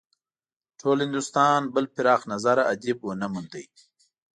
ټول هندوستان بل پراخ نظره ادیب ونه موند.